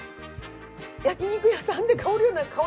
焼き肉屋さんで香るような香りですよ！